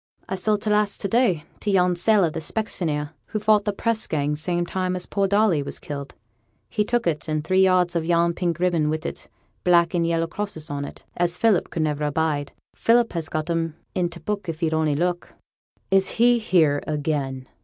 'I sold t' last to day, to yon sailor, the specksioneer, who fought the press gang same time as poor Darley were killed. He took it, and three yards of yon pink ribbon wi' t' black and yellow crosses on it, as Philip could never abide. Philip has got 'em i' t' book, if he'll only look.' 'Is he here again?'